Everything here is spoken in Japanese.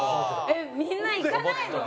えっみんな行かないの？